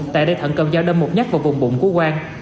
tại đây thần cầm dao đâm một nhắc vào vùng bụng của quang